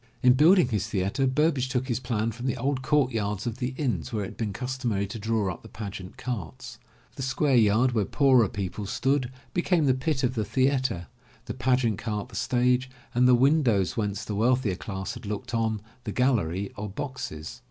In building his theatre, Burbage took his plan from the old courtyards of the inns where it had been cus tomary to draw up the pageant carts. The square yard where poorer people stood, became the pit of the theatre, the pageant cart the stage, and the windows whence the wealthier class had looked on, the gallery or boxes.